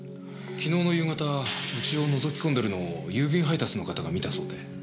昨日の夕方うちをのぞき込んでるのを郵便配達の方が見たそうで。